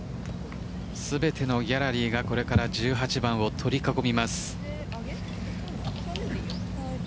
全てのギャラリーがこれから１８番を取り囲みます。